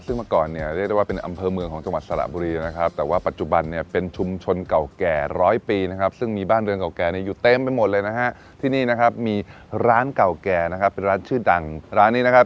ซึ่งมาก่อนเรียกได้ว่าเป็นอำเภอเมืองของจังหวัดสระบุรีนะครับ